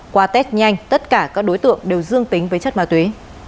qua test nhanh tất cả các đối tượng đều dương tính với chất ma túy